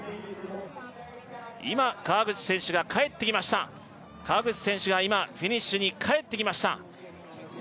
今川口選手が帰ってきました川口選手が今フィニッシュに帰ってきました